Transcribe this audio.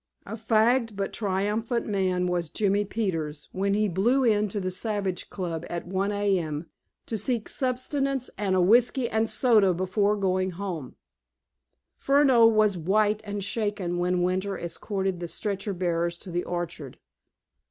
A fagged but triumphant man was Jimmie Peters when he "blew in" to the Savage Club at 1 A.M. to seek sustenance and a whiskey and soda before going home. Furneaux was white and shaken when Winter escorted the stretcher bearers to the orchard.